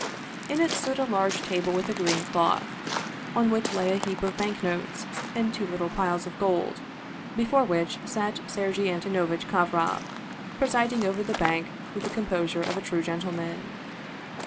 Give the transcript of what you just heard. In it stood a large table with a green cloth, on which lay a heap of bank notes and two little piles of gold, before which sat Sergei Antonovitch Kovroff, presiding over the bank with the composure of a true gentleman.